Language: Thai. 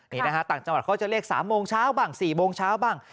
นี่นะฮะต่างจังหวัดเขาจะเรียก๓โมงเช้าบ้าง๔โมงเช้าบ้าง